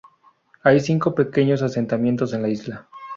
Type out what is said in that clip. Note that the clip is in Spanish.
Hay cinco pequeños asentamientos en la isla.